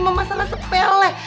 mama salah sepele